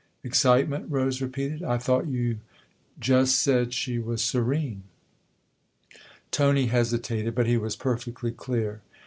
" Excitement ?" Rose repeated. " I thought you ust said she was ' serene.' " THE OTHER HOUSE 49 Tony hesitated, but he was perfectly clear.